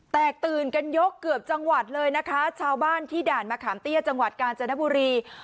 แตกตื่นกันยกเกือบจังหวัดเลยนะคะชาวบ้านที่ด่านมะขามเตี้ยจังหวัดกาญจนบุรี